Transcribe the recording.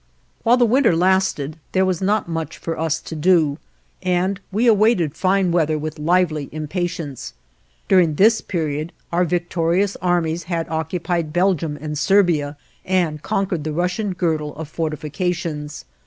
While the winter lasted, there was not much for us to do, and we awaited fine weather with lively impatience. During this period, our victorious armies had occupied Belgium and Serbia, and conquered the Russian girdle of fortifications.